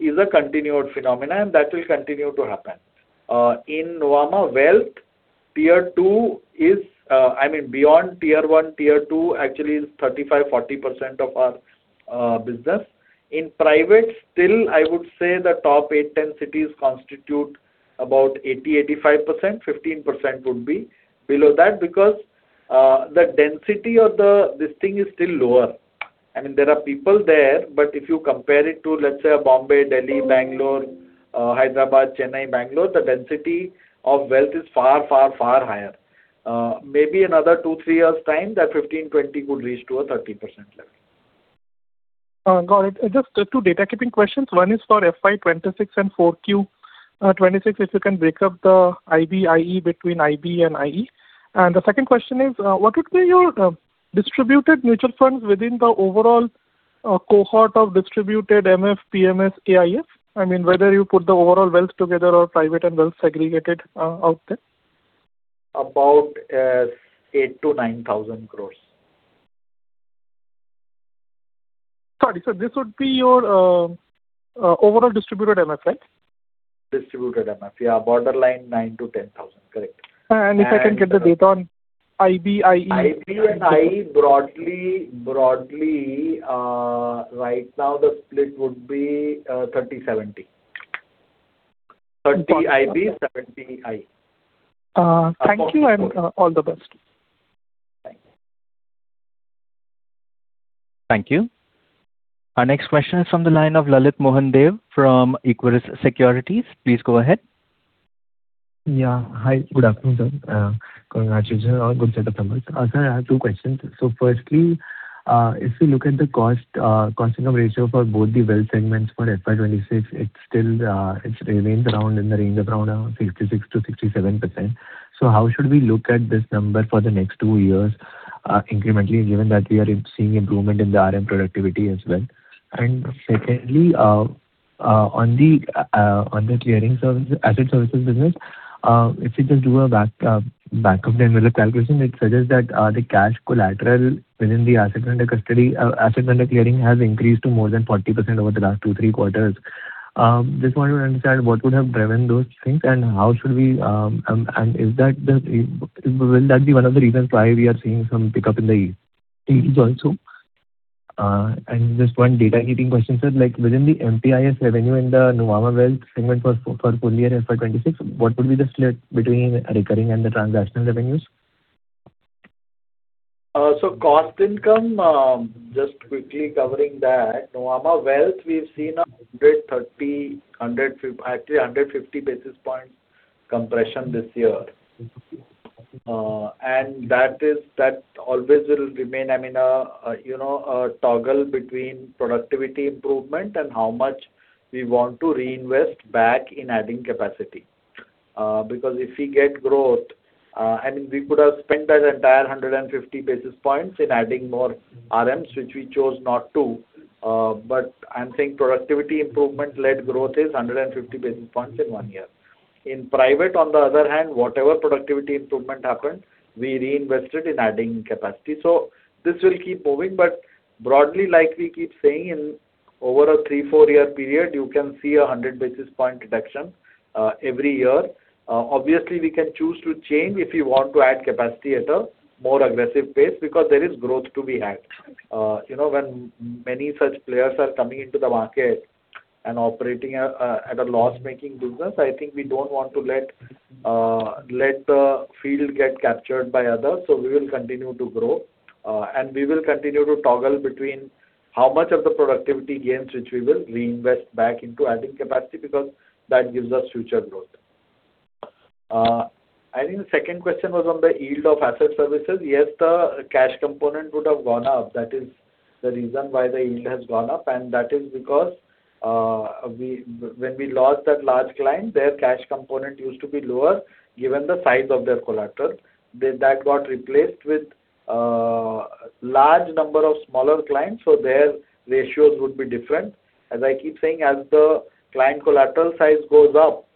is a continued phenomenon and that will continue to happen. In Nuvama Wealth, tier 2 is, I mean, beyond tier 1, tier 2 actually is 35%-40% of our business. In private, still I would say the top 8-10 cities constitute about 80%-85%. 15% would be below that because the density of the listing is still lower. I mean, there are people there, but if you compare it to, let's say, Bombay, Delhi, Bangalore, Hyderabad, Chennai, Bangalore, the density of wealth is far, far, far higher. Maybe another two to three years' time that 15%-20% could reach to a 30% level. Got it. Just two data keeping questions. One is for FY 2026 and 4Q 2026, if you can break up the IB/IE between IB & IE. The second question is, what would be your distributed mutual funds within the overall cohort of distributed MF, PMS, AIF? I mean, whether you put the overall wealth together or private and wealth segregated out there. About INR 8,000-INR 9,000 crores. Sorry, sir. This would be your overall distributed MF, right? Distributed MF, yeah. Borderline 9,000-10,000. Correct. if I can get the data on IB/IE. IB & IE broadly, right now the split would be, 30/70. 30 IB, 70 IE. Thank you and all the best. Thank you. Thank you. Our next question is from the line of Lalit Mohan Deo from Equirus Securities. Please go ahead. Hi. Good afternoon, sir. Congratulations on good set of numbers. Sir, I have two questions. Firstly, if you look at the cost-income ratio for both the wealth segments for FY 2026, it's still, it remains around in the range of around, 66%-67%. How should we look at this number for the next two years incrementally, given that we are seeing improvement in the RM productivity as well? Secondly, on the clearing service, asset services business, if you just do a back of the envelope calculation, it suggests that the cash collateral within the asset under custody, asset under clearing has increased to more than 40% over the last 2, 3 quarters. Just wanted to understand what would have driven those things and how should we, and will that be one of the reasons why we are seeing some pickup in the yields also? Just 1 data keeping question, sir. Within the MPIS revenue in the Nuvama Wealth segment for full year FY 2026, what would be the split between recurring and the transactional revenues? Cost income, just quickly covering that. Nuvama Wealth, we've seen 130, actually 150 basis point compression this year. That always will remain a toggle between productivity improvement and how much we want to reinvest back in adding capacity. Because if we get growth, we could have spent that entire 150 basis points in adding more RMs, which we chose not to. But I'm saying productivity improvement-led growth is 150 basis points in one year. In private, on the other hand, whatever productivity improvement happened, we reinvested in adding capacity. This will keep moving. Broadly, like we keep saying, in over a three, four-year period, you can see a 100 basis point reduction every year. Obviously we can choose to change if we want to add capacity at a more aggressive pace because there is growth to be had. You know, when many such players are coming into the market and operating at a loss-making business, I think we don't want to let the field get captured by others. We will continue to grow. We will continue to toggle between how much of the productivity gains which we will reinvest back into adding capacity because that gives us future growth. I think the second question was on the yield of asset services. Yes, the cash component would have gone up. That is the reason why the yield has gone up, and that is because when we lost that large client, their cash component used to be lower given the size of their collateral. That got replaced with a large number of smaller clients, so their ratios would be different. As I keep saying, as the client collateral size goes up,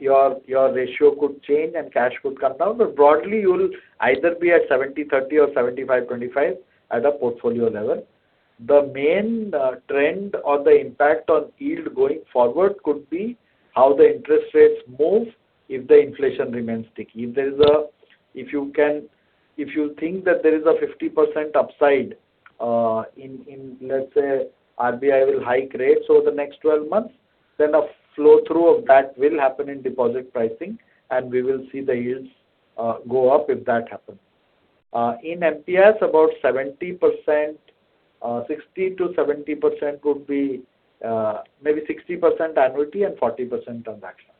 your ratio could change and cash could come down. Broadly, you will either be at 70/30 or 75/25 at a portfolio level. The main trend or the impact on yield going forward could be how the interest rates move if the inflation remains sticky. If you think that there is a 50% upside in, let's say, RBI will hike rates over the next 12 months, then a flow-through of that will happen in deposit pricing, and we will see the yields go up if that happens. In MPIS, about 70%, 60%-70% could be, maybe 60% annuity and 40% transaction.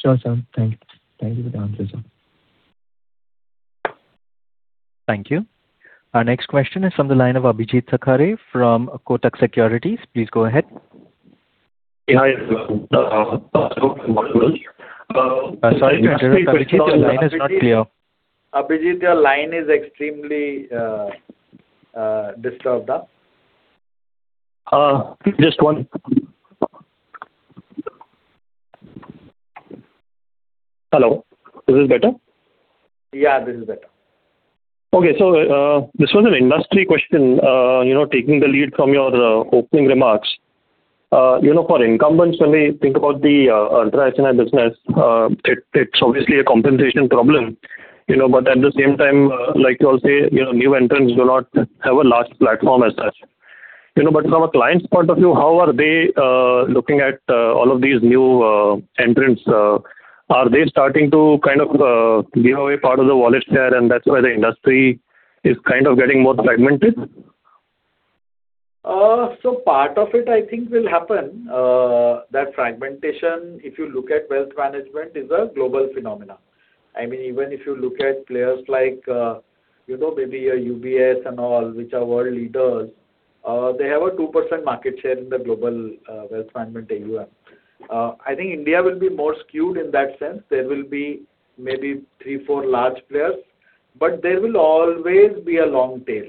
Sure, sir. Thank you. Thank you for the answers, sir. Thank you. Our next question is from the line of Abhijit Khare from Kotak Securities. Please go ahead. Yeah. Sorry to interrupt, Abhijit. Your line is not clear. Abhijit, your line is extremely disturbed. Hello. Is this better? Yeah, this is better. Okay. This was an industry question. You know, taking the lead from your opening remarks. You know, for incumbents, when we think about the Ultra HNI business, it's obviously a compensation problem, you know. At the same time, like you all say, you know, new entrants do not have a large platform as such. You know, from a client's point of view, how are they looking at all of these new entrants? Are they starting to kind of give away part of the wallet share, and that's why the industry is kind of getting more fragmented? Part of it I think will happen, that fragmentation, if you look at wealth management, is a global phenomena. I mean, even if you look at players like, you know, maybe a UBS and all, which are world leaders, they have a 2% market share in the global wealth management AUM. I think India will be more skewed in that sense. There will be maybe 3, 4 large players, but there will always be a long tail.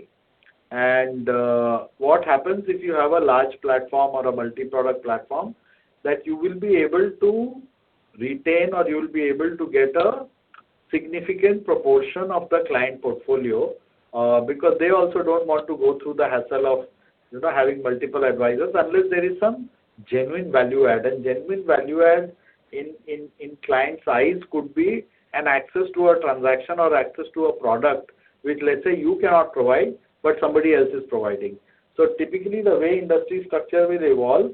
What happens if you have a large platform or a multi-product platform, that you will be able to retain or you'll be able to get a significant proportion of the client portfolio, because they also don't want to go through the hassle of, you know, having multiple advisors unless there is some genuine value add. Genuine value add in client size could be an access to a transaction or access to a product which let's say you cannot provide but somebody else is providing. Typically the way industry structure will evolve,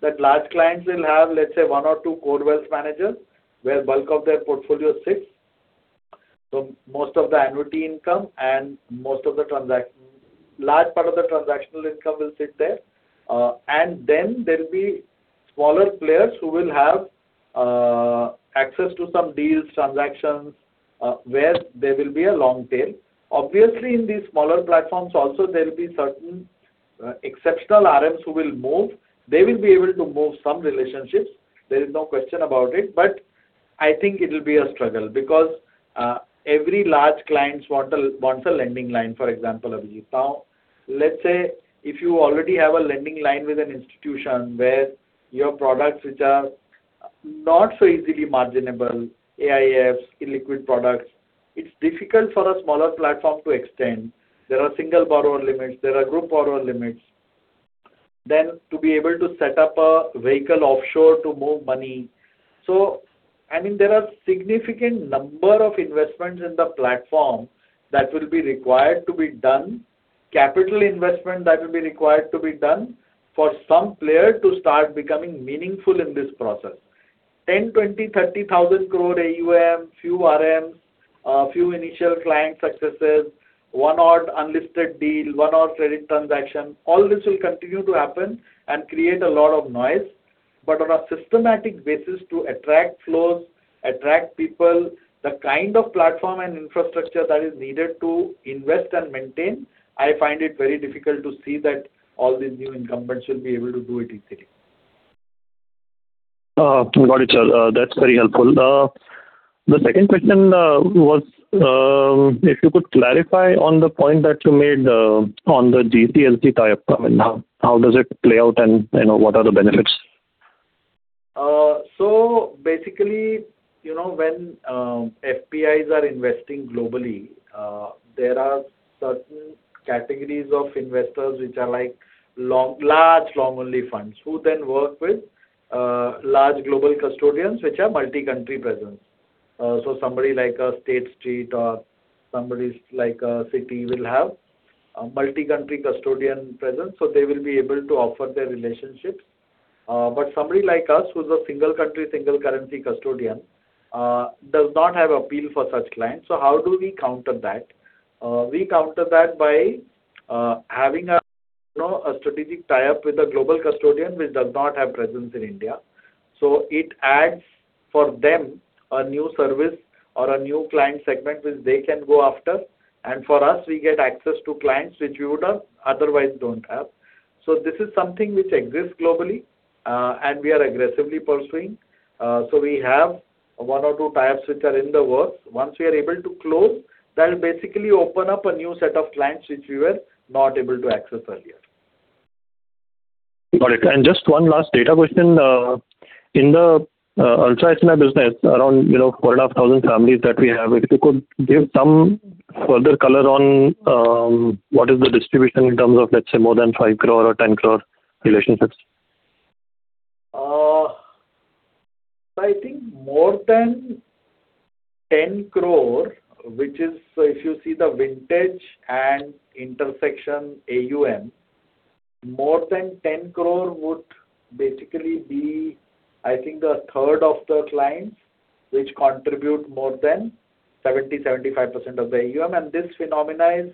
that large clients will have, let's say, one or two core wealth managers where bulk of their portfolio sits. Most of the annuity income and large part of the transactional income will sit there. Then there'll be smaller players who will have access to some deals, transactions, where there will be a long tail. Obviously, in these smaller platforms also there will be certain exceptional RMs who will move. They will be able to move some relationships, there is no question about it. I think it will be a struggle because every large clients wants a lending line, for example, Abhijit. Let's say if you already have a lending line with an institution where your products which are not so easily marginable, AIFs, illiquid products, it's difficult for a smaller platform to extend. There are single borrower limits, there are group borrower limits. To be able to set up a vehicle offshore to move money. I mean, there are significant number of investments in the platform that will be required to be done, capital investment that will be required to be done for some player to start becoming meaningful in this process. 10,000 crore AUM, 20,000 crore AUM, 30,000 crore AUM, few RMs, few initial client successes, one odd unlisted deal, one odd credit transaction, all this will continue to happen and create a lot of noise. On a systematic basis to attract flows, attract people, the kind of platform and infrastructure that is needed to invest and maintain, I find it very difficult to see that all these new incumbents will be able to do it easily. Got it, sir. That's very helpful. The second question was, if you could clarify on the point that you made, on the GCLC tie-up. I mean, how does it play out and, you know, what are the benefits? Basically, you know, when FPIs are investing globally, there are certain categories of investors which are like large long-only funds who then work with large global custodians which have multi-country presence. Somebody like a State Street or somebody like a Citi will have a multi-country custodian presence, so they will be able to offer their relationships. Somebody like us who's a single country, single currency custodian, does not have appeal for such clients. How do we counter that? We counter that by having a, you know, a strategic tie-up with a global custodian which does not have presence in India. It adds for them a new service or a new client segment which they can go after. For us, we get access to clients which we would otherwise don't have. This is something which exists globally, and we are aggressively pursuing. We have 1 or 2 tie-ups which are in the works. Once we are able to close, that'll basically open up a new set of clients which we were not able to access earlier. Got it. Just one last data question. In the Ultra HNI business, around, you know, four and a half thousand families that we have, if you could give some further color on what is the distribution in terms of, let's say, more than 5 crore or 10 crore relationships? I think more than 10 crore, which is if you see the Vintage and Intersection AUM, more than 10 crore would basically be, I think, a third of the clients which contribute more than 70%-75% of the AUM. This phenomena is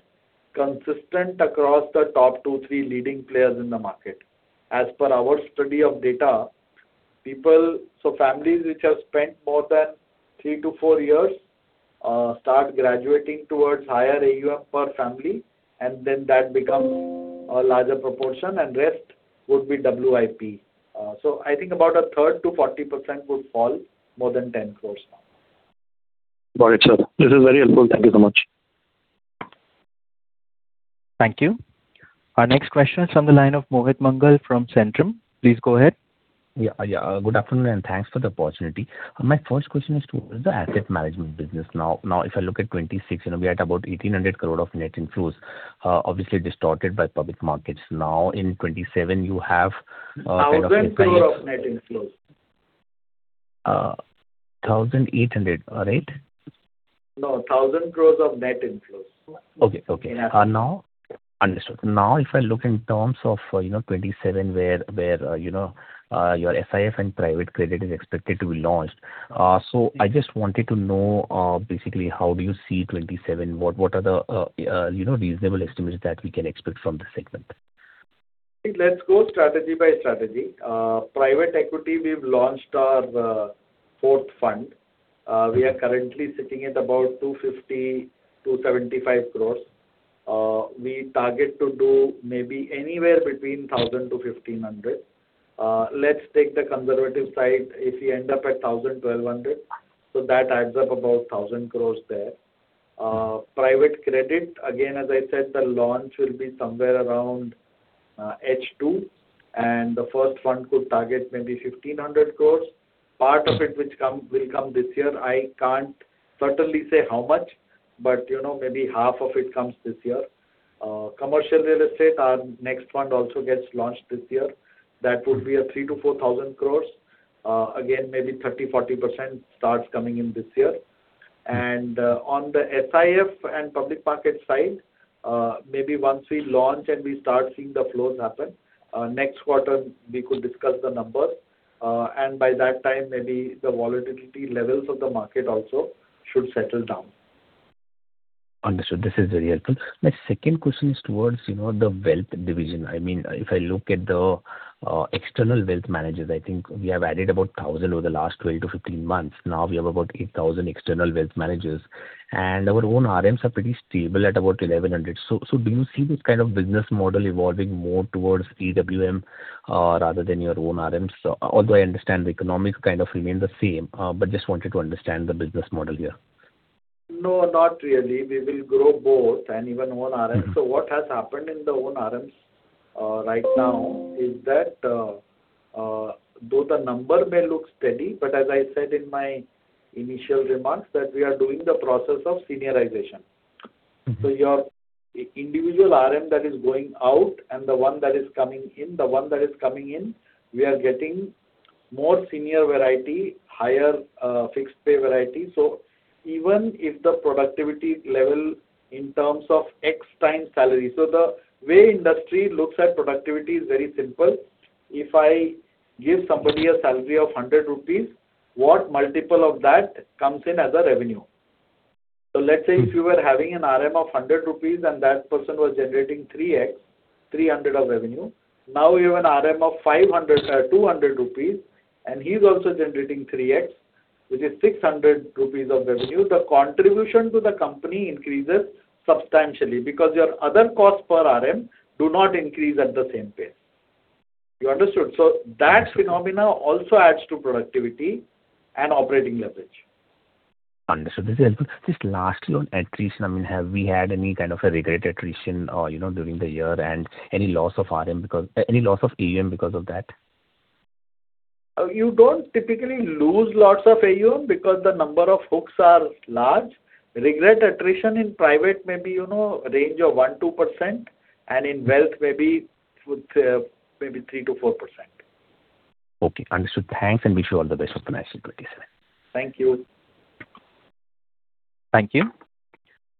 consistent across the top 2, 3 leading players in the market. As per our study of data, families which have spent more than three to four years, start graduating towards higher AUM per family, and then that becomes a larger proportion, and rest would be WIP. I think about a third to 40% would fall more than 10 crore now. Got it, sir. This is very helpful. Thank you so much. Thank you. Our next question is from the line of Mohit Mangal from Centrum. Please go ahead. Yeah. Yeah. Good afternoon, and thanks for the opportunity. My first question is to the asset management business. Now if I look at 2026, you know, we had about 1,800 crore of net inflows, obviously distorted by public markets. Now in 2027 you have. 1,000 crore of net inflows. 1,800, right? No, 1,000 crores of net inflows. Okay. Okay. Yeah. Now understood. If I look in terms of, you know, 2027 where, you know, your [FIF] and Private Credit is expected to be launched. I just wanted to know, basically how do you see 2027? What, what are the, you know, reasonable estimates that we can expect from this segment? Let's go strategy by strategy. Private equity, we've launched our fourth fund. We are currently sitting at about 250 crore-275 crore. We target to do maybe anywhere between 1,000-1,500. Let's take the conservative side. If we end up at 1,000-1,200, that adds up about 1,000 crore there. Private credit, again, as I said, the launch will be somewhere around H2, and the first fund could target maybe 1,500 crore. Part of it which will come this year, I can't certainly say how much, but, you know, maybe half of it comes this year. Commercial real estate, our next fund also gets launched this year. That would be a 3,000 crore-4,000 crore. Again, maybe 30%-40% starts coming in this year. On the SIF and public market side, maybe once we launch and we start seeing the flows happen, next quarter we could discuss the numbers. By that time, maybe the volatility levels of the market also should settle down. Understood. This is very helpful. My second question is towards, you know, the wealth division. I mean, if I look at the external wealth managers, I think we have added about 1,000 over the last 12 to 15 months. Now we have about 8,000 external wealth managers. Our own RMs are pretty stable at about 1,100. Do you see this kind of business model evolving more towards EWM rather than your own RMs? Although I understand the economics kind of remain the same, just wanted to understand the business model here. No, not really. We will grow both and even own RMs. What has happened in the own RMs right now is that though the number may look steady, but as I said in my initial remarks that we are doing the process of seniorization. Your individual RM that is going out and the one that is coming in, the one that is coming in, we are getting more senior variety, higher fixed pay variety. Even if the productivity level in terms of x times salary. The way industry looks at productivity is very simple. If I give somebody a salary of 100 rupees, what multiple of that comes in as a revenue? Let's say if you were having an RM of 100 rupees and that person was generating 3x, 300 of revenue. You have an RM of 200 rupees, and he's also generating 3x, which is 600 rupees of revenue. The contribution to the company increases substantially because your other costs per RM do not increase at the same pace. You understood? That phenomena also adds to productivity and operating leverage. Understood. This is helpful. Just lastly on attrition, I mean, have we had any kind of a regret attrition, you know, during the year and any loss of AUM because of that? You don't typically lose lots of AUM because the number of hooks are large. Regret attrition in private may be, you know, range of 1%-2%, and in wealth maybe with 3%-4%. Okay. Understood. Thanks, and wish you all the best for the next quarter. Thank you. Thank you.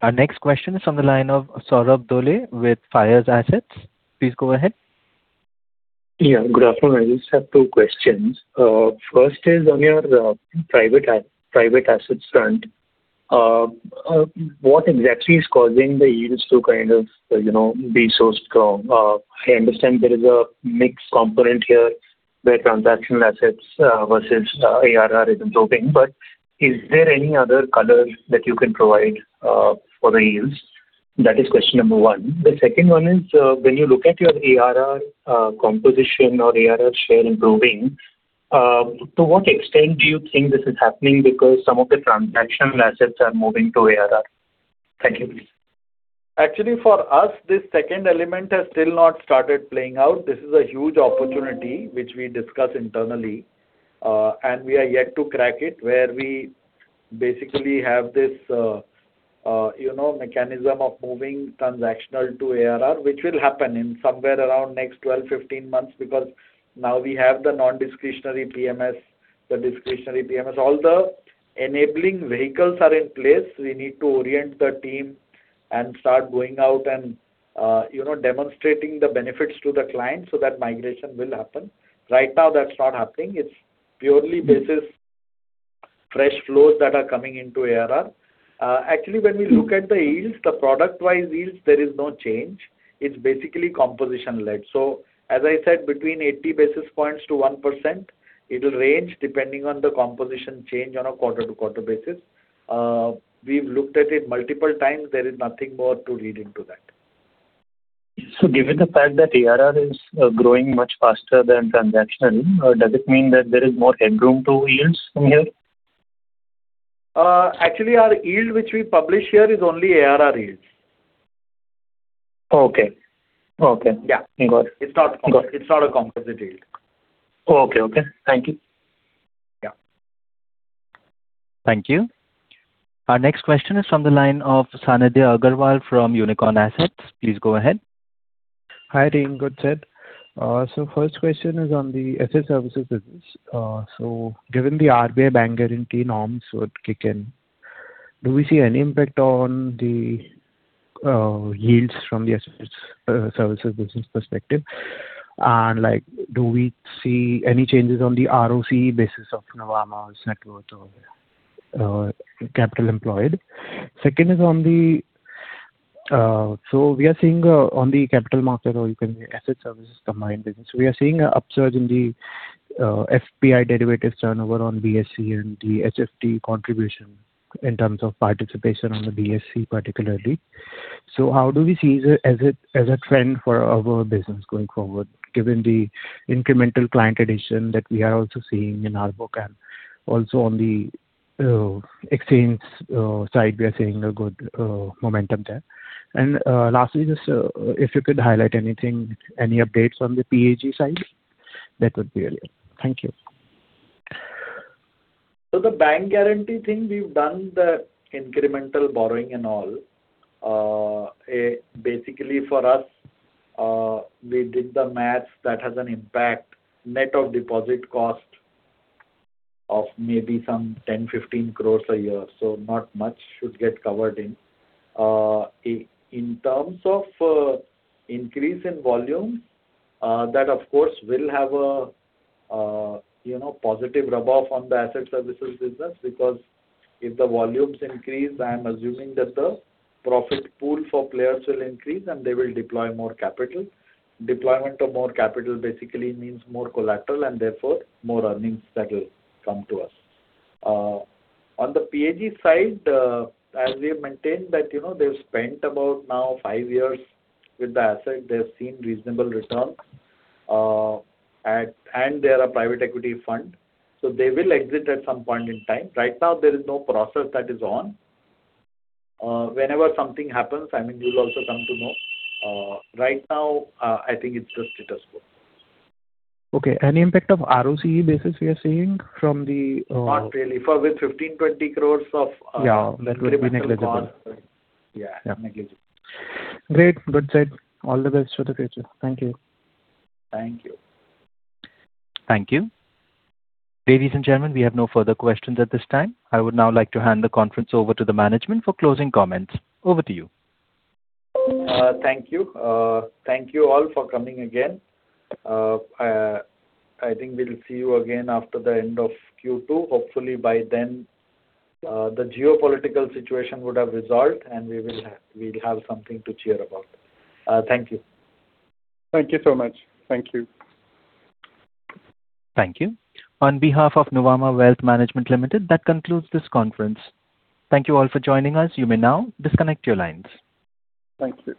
Our next question is on the line of Saurabh Dhole with FYERS Assets. Please go ahead. Yeah. Good afternoon. I just have two questions. First is on your private assets front. What exactly is causing the yields to kind of, you know, be so strong? I understand there is a mixed component here where transactional assets versus ARR is improving, but is there any other color that you can provide for the yields? That is question number one. The second one is, when you look at your ARR composition or ARR share improving, to what extent do you think this is happening because some of the transactional assets are moving to ARR? Thank you. Actually, for us, this second element has still not started playing out. This is a huge opportunity which we discuss internally, and we are yet to crack it, where we basically have this, you know, mechanism of moving transactional to ARR, which will happen in somewhere around next 12, 15 months because now we have the non-discretionary PMS, the discretionary PMS. All the enabling vehicles are in place. We need to orient the team and start going out and, you know, demonstrating the benefits to the client so that migration will happen. Right now, that's not happening. It's purely basis fresh flows that are coming into ARR. Actually, when we look at the yields, the product-wise yields, there is no change. It's basically composition-led. As I said, between 80 basis points to 1%, it'll range depending on the composition change on a quarter-to-quarter basis. We've looked at it multiple times. There is nothing more to read into that. Given the fact that ARR is growing much faster than transactional, does it mean that there is more headroom to yields from here? Actually our yield which we publish here is only ARR yields. Okay. Okay. Yeah. Got it. It's not a composite yield. Okay. Okay. Thank you. Yeah. Thank you. Our next question is from the line of [Sandhya Aggarwal] from Unicorn Assets. Please go ahead. Hi, team. Good set. First question is on the asset services business. Given the RBI bank guarantee norms would kick in, do we see any impact on the yields from the asset services business perspective? Do we see any changes on the ROC basis of Nuvama's network or capital employed? We are seeing on the capital market or you can say asset services combined business. We are seeing an upsurge in the FPI derivatives turnover on BSE and the HFT contribution in terms of participation on the BSE particularly. How do we see as a trend for our business going forward, given the incremental client addition that we are also seeing in our book and also on the exchange side, we are seeing a good momentum there. Lastly, if you could highlight anything, any updates on the PAG side. Thank you. The bank guarantee thing, we've done the incremental borrowing and all. Basically for us, we did the math that has an impact net of deposit cost of maybe some 10 crore-15 crore a year. Not much should get covered in. In terms of increase in volume, that of course will have a, you know, positive rub-off on the asset services business. Because if the volumes increase, I am assuming that the profit pool for players will increase, and they will deploy more capital. Deployment of more capital basically means more collateral and therefore more earnings that will come to us. On the PAG side, as we have maintained that, you know, they've spent about now five years with the asset. They've seen reasonable returns, and they are a private equity fund, so they will exit at some point in time. Right now there is no process that is on. Whenever something happens, I mean, you'll also come to know. Right now, I think it's the status quo. Okay. Any impact of ROCE basis we are seeing from the. Not really. For with 15, 20 crores of Yeah. It would be negligible. Yeah. Negligible. Great. Good said. All the best for the future. Thank you. Thank you. Thank you. Ladies and gentlemen, we have no further questions at this time. I would now like to hand the conference over to the management for closing comments. Over to you. Thank you. Thank you all for coming again. I think we'll see you again after the end of Q2. Hopefully by then, the geopolitical situation would have resolved, and we'll have something to cheer about. Thank you. Thank you so much. Thank you. Thank you. On behalf of Nuvama Wealth Management Limited, that concludes this conference. Thank you all for joining us. You may now disconnect your lines. Thank you.